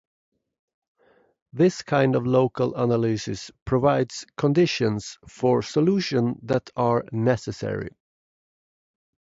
This kind of local analysis provides conditions for solution that are "necessary".